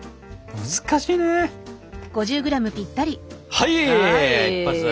はい一発。